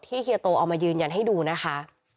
เฮียโตเอามายืนยันให้ดูนะคะ